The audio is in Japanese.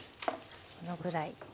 このぐらい。